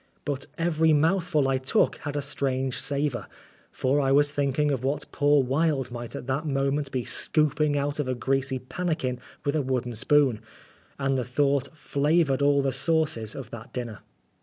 But every mouthful I took had a strange savour, for I was thinking of what poor Wilde might at that moment be scooping out of a greasy pan nikin with a wooden spoon, and the thought flavoured all the sauces of that dinner.